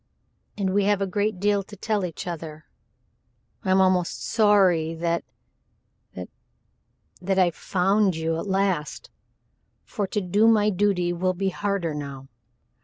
"And we have a great deal to tell each other! I'm almost sorry that that that I've found you at last for to do my duty will be harder now.